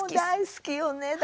大好きよね。